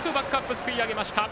すくい上げました。